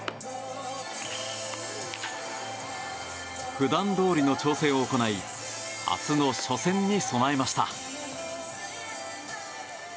普段どおりの調整を行い明日の初戦に備えました。